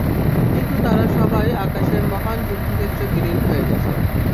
কিন্তু তারা সবাই আকাশের মহান যুদ্ধক্ষেত্রে বিলীন হয়ে গেছে।